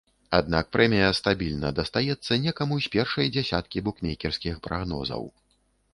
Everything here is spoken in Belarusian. Аднак прэмія стабільна дастаецца некаму з першай дзясяткі букмекерскіх прагнозаў.